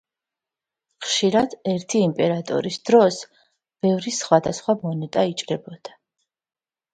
ხშირად ერთი იმპერატორის დროს ბევრი სხვადასხვა მონეტა იჭრებოდა.